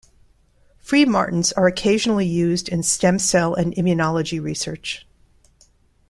Freemartins are occasionally used in stem cell and immunology research.